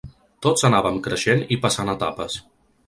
Tots anàvem creixent i passant etapes.